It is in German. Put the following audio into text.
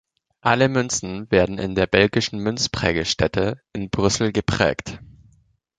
Alle Münzen werden in der belgischen Münzprägestätte in Brüssel geprägt.